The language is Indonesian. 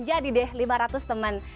jadi deh lima ratus teman